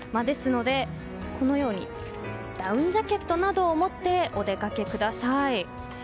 ですので、ダウンジャケットなどを持ってお出かけください。